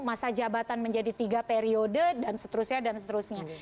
masa jabatan menjadi tiga periode dan seterusnya